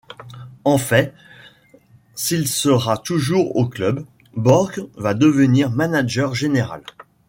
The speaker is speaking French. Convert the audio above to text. En fait, s'il sera toujours au club, Borg va devenir manager général.